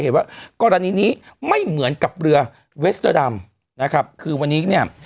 เห็นว่ากรณีนี้ไม่เหมือนกับเรือเวสเตอร์ดำนะครับคือวันนี้เนี่ย